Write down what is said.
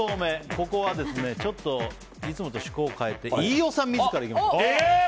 ここはいつもと趣向を変えて飯尾さん自ら行きましょう。